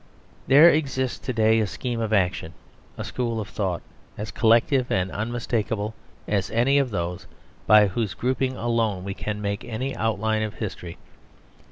There exists to day a scheme of action, a school of thought, as collective and unmistakable as any of those by whose grouping alone we can make any outline of history.